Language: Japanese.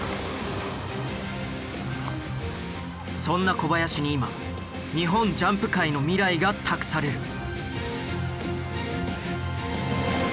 そんな小林に今日本ジャンプ界の未来が託される。